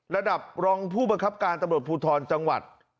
ระดับรองผู้บังคับการตำรวจภูทรจังหวัด